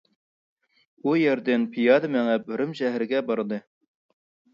ئۇ يەردىن پىيادە مېڭىپ رىم شەھىرىگە بارىدۇ.